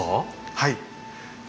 はい。